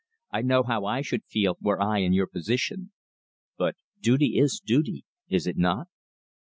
"I know how I should feel were I in your position. But duty is duty, is it not?"